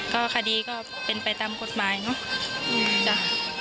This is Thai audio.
ก็คดีก็เป็นไปตามกฎหมายเนอะจ้ะ